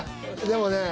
でもね